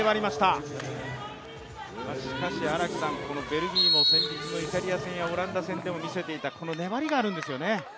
ベルギーも先日のイタリア戦やオランダ戦でも見せていた粘りがあるんですよね。